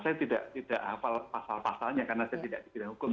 saya tidak hafal pasal pasalnya karena saya tidak di bidang hukum